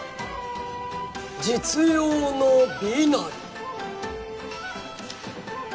実用の美なり。